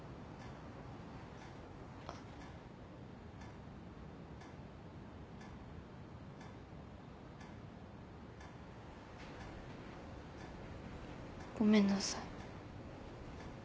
あ。ごめんなさい。